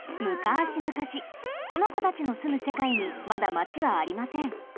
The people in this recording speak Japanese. むかしむかしこのこたちのすむせかいにまだマチはありません。